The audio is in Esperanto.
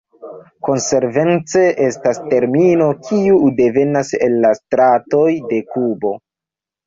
Konsekvence estas termino, kiu devenas el la stratoj de Kubo.